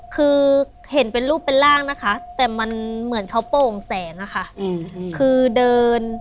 คือเห็นเป็นรูปเป็นร่างนะคะแต่มันเหมือนเขาโป่งแสงอะค่ะคือเดิน